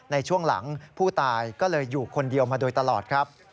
ในช่วงหลังผู้ตายก็เลยอยู่คนเดียวมาโดยตลอดครับ